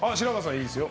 いいですよ。